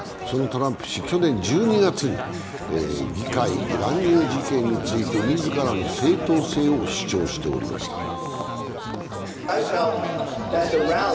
そのトランプ氏、去年１２月に議会乱入事件についてみずからの正当性を主張しておりました。